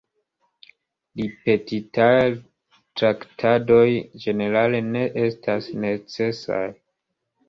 Ripetitaj traktadoj ĝenerale ne estas necesaj.